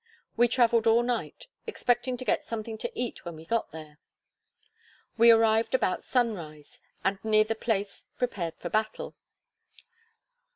We traveled all night, expecting to get something to eat when we got there. We arrived about sunrise, and near the place prepared for battle.